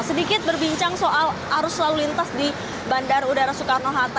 sedikit berbincang soal arus lalu lintas di bandara udara soekarno hatta